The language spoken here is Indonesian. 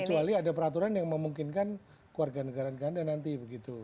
kecuali ada peraturan yang memungkinkan keluarga negaraan ganda nanti begitu